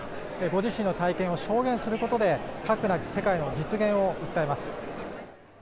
ご自身の体験を証言することで核なき世界の実現を訴えます。